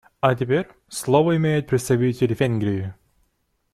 А теперь слово имеет представитель Венгрии.